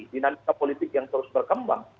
dinamika politik yang terus berkembang